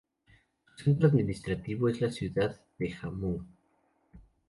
Su centro administrativo es la ciudad de Jammu.